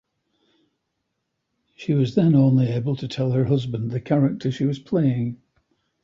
She was then only able to tell her husband the character she was playing.